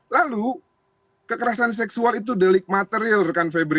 lalu kekerasan seksual itu delik material rekan febri